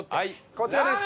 こちらです。